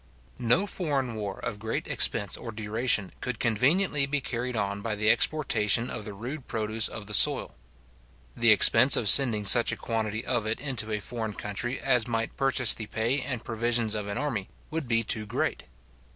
No foreign war, of great expense or duration, could conveniently be carried on by the exportation of the rude produce of the soil. The expense of sending such a quantity of it into a foreign country as might purchase the pay and provisions of an army would be too great.